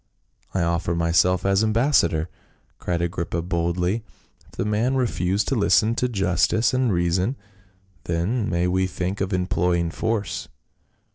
"I offer myself as ambassador," cried Agrippa boldly. "If the man refuse to listen to justice and reason, then may we think of employing force."